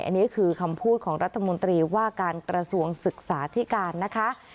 อันนี้คือคำพูดของรัฐมนตรีว่าการกระทรวงศึกษาที่การนะคะ